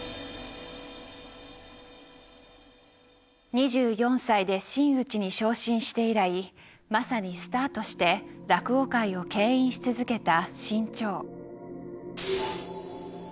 ２４歳で真打ちに昇進して以来まさにスターとして落語界を牽引し続けた志ん朝。